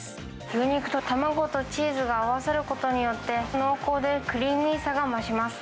牛肉と卵とチーズが合わさることによって、濃厚でクリーミーさが増します。